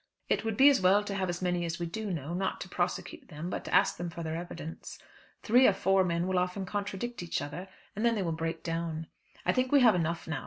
"It would be as well to have as many as we do know, not to prosecute them, but to ask them for their evidence. Three or four men will often contradict each other, and then they will break down. I think we have enough now.